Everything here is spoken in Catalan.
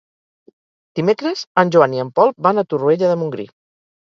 Dimecres en Joan i en Pol van a Torroella de Montgrí.